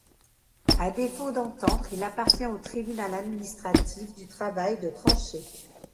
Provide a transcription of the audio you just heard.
À défaut d'entente, il appartient au Tribunal administratif du travail de trancher.